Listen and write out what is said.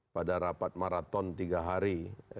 pada rapat maraton tiga hari